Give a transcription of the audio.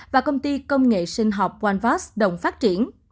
và công ty công nghệ sinh học walvost đồng phát triển